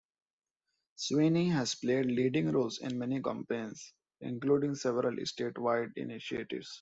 Sweeney has played leading roles in many campaigns, including several statewide initiatives.